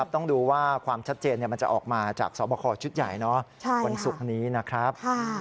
ต้องดูว่าความชัดเจนมันจะออกมาจากสอบคอชุดใหญ่วันศุกร์นี้นะครับ